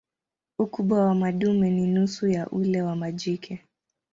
Ukubwa wa madume ni nusu ya ule wa majike.